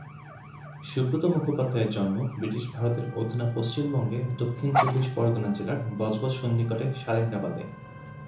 সুব্রত মুখোপাধ্যায়ের জন্ম বৃটিশ ভারতের অধুনা পশ্চিমবঙ্গের দক্ষিণ চব্বিশ পরগনা জেলার বজবজ সন্নিকটে সারেঙ্গাবাদে।